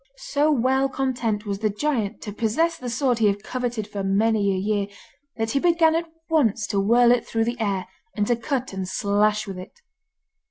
So well content was the giant to possess the sword he had coveted for many a year, that he began at once to whirl it through the air, and to cut and slash with it.